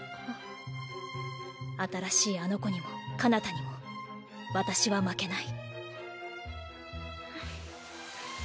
新しいあの子にもかなたにも私は負けない。